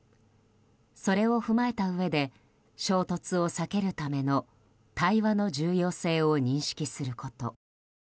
それを踏まえたうえで衝突を避けるための対話の重要性を認識すること。